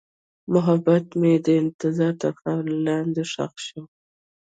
محبت مې د انتظار تر خاورې لاندې ښخ شو.